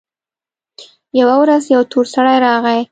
يوه ورځ يو تور سړى راغى.